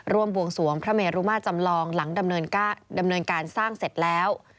บวงสวงพระเมรุมาจำลองหลังดำเนินการสร้างเสร็จแล้ว